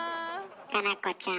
佳菜子ちゃん